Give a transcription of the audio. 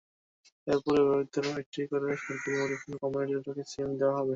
এরপর অভিভাবকদের একটি করে সরকারি মুঠোফোন কোম্পানি টেলিটকের সিম দেওয়া হবে।